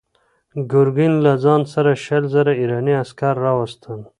ګورګین له ځان سره شل زره ایراني عسکر راوستل.